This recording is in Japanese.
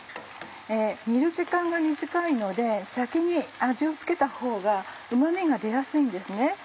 煮る時間が短いので先に味を付けたほうがうま味が出やすいんですね。